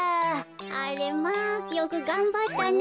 あれまあよくがんばったね。